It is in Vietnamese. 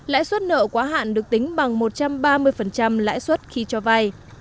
lãi suất nợ quá hạn được tính bằng một trăm ba mươi lãi suất khi cho vay